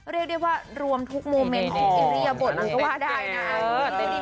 เรียกได้ว่ารวมทุกโมเมนต์ของอิริยบทเลยก็ว่าได้นะ